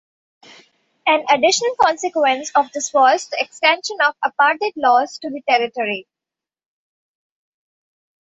An additional consequence of this was the extension of apartheid laws to the territory.